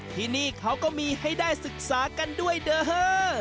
ที่นี่เขาก็มีให้ได้ศึกษากันด้วยเด้อ